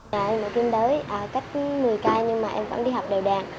nhà em ở kim đới cách một mươi km nhưng em vẫn đi học đều đàn